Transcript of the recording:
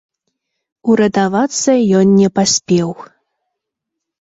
Уратавацца ён не паспеў.